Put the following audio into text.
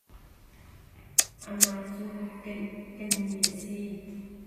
Amah cu ka ni a si.